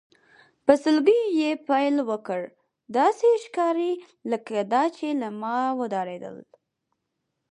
په سلګیو یې پیل وکړ، داسې ښکاري لکه دا چې له ما وډارېدل.